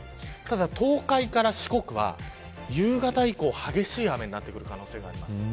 東海から四国は夕方以降激しい雨になってくる可能性があります。